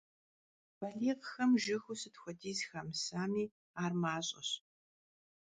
Baliğxem jjıgıu sıt xuediz xamısami, ar maş'eş.